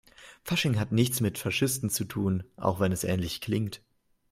Fasching hat nichts mit Faschisten zu tun, auch wenn es ähnlich klingt.